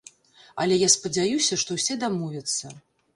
Але я спадзяюся, што ўсе дамовяцца.